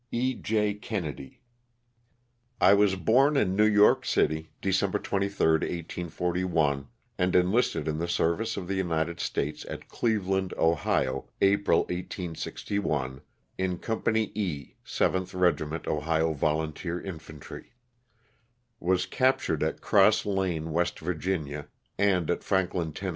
E. J. KENNEDY. T WAS born in New York City, December 23, 1841, ^ and enlisted in the service of the United States at Cleveland, Ohio, April 1861, in Company E, 7th Regiment Ohio Volunteer Infantry. Was captured at Cross Lane, West Virginia and at Franklin, Tenn.